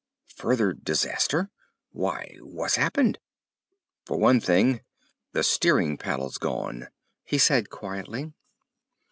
"Further disaster! Why, what's happened?" "For one thing—the steering paddle's gone," he said quietly.